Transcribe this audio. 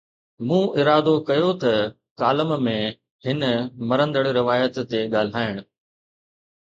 مون ارادو ڪيو ته ڪالم ۾ هن مرندڙ روايت تي ڳالهائڻ.